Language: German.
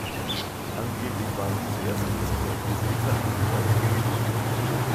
Angeblich waren diese erst kurz zuvor in Großbritannien gebaut worden.